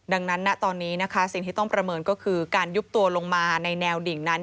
ดังนั้นณตอนนี้นะคะสิ่งที่ต้องประเมินก็คือการยุบตัวลงมาในแนวดิ่งนั้น